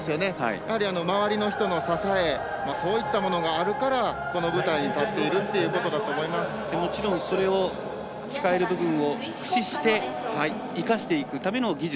やはり、周りの人の支えがあるから、この舞台に立っているということだともちろん、それを使える部分を駆使して生かしていくための技術。